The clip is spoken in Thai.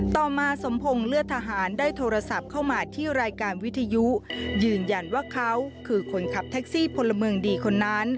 ต่อมาสมพงศ์เลือดทหารได้โทรศัพท์เข้ามาที่รายการวิทยุยืนยันว่าเขาคือคนขับแท็กซี่พลเมืองดีคนนั้น